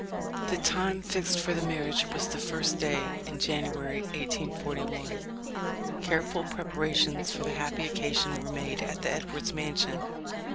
The time fixed for the marriage was the first day in January, 1841. Careful preparations for the happy occasion were made at the Edwards mansion.